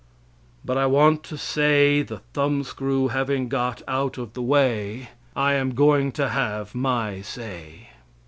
But I want to say, the thumbscrew having got out of the way, I am going to have my say.